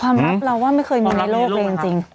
รับเราว่าไม่เคยมีในโลกเลยจริง